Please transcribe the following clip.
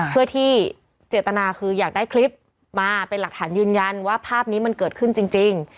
เพื่อที่เจตนาคืออยากได้คลิปมาเป็นหลักฐานยืนยันว่าภาพนี้มันเกิดขึ้นจริง